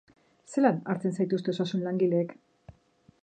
Zelan hartzen zaituzte osasun langileek?